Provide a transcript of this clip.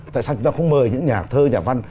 tại sao chúng ta không mời những nhà thơ nhà văn